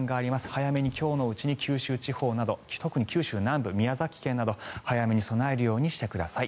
早めに、今日のうちに九州地方など特に九州南部宮崎県など、早めに備えるようにしてください。